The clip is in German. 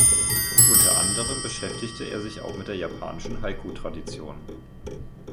Unter anderem beschäftigte er sich auch mit der japanischen Haiku-Tradition.